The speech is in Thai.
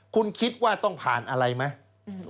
คุณคิดว่าต้องผ่านอะไรไหม